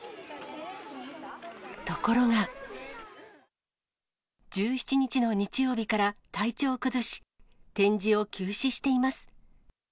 ところが、１７日の日曜日から体調を崩し、展示を休止しています。